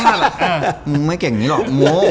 มึงไม่เก่งอย่างนี้หรอกโม